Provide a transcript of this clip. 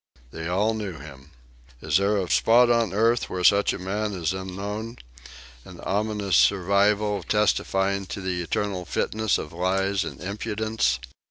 They all knew him. Is there a spot on earth where such a man is unknown, an ominous survival testifying to the eternal fitness of lies and impudence?